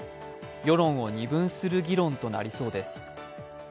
世論を二分する議論となりそうです。